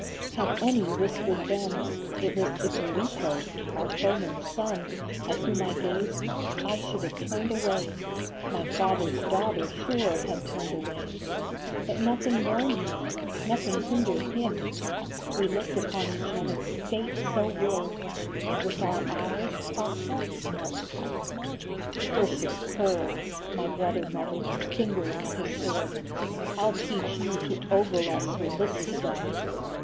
Had any whispered then It was Ippolito, our foeman s son, At whom I gazed, I should have turned away, My father s daughter sure had turned away. But nothing warned me, nothing hindered him ; We looked upon each other, Fate so willed, And with our eyes our hearts met !" Cursed cur," My brother muttered, fingering at his sword, " I 11 teach you to ogle us when this is done